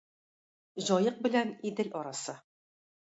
Җаек белән Идел арасы.